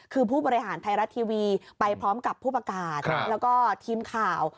คือผู้บริหารไทยรัฐทีวีไปพร้อมกับผู้ประกาศแล้วก็ทีมข่าว